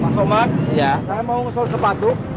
pak somad saya mau ngusul sepatu